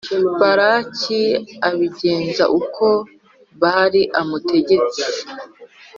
Balaki abigenza uko Bali amutegetse